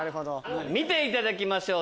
見ていただきましょう！